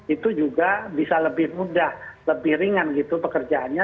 itu juga bisa lebih mudah lebih ringan gitu pekerjaannya